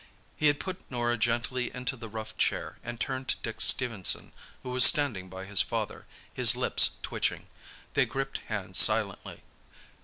He had put Norah gently into the rough chair, and turned to Dick Stephenson, who was standing by his father, his lips twitching. They gripped hands silently.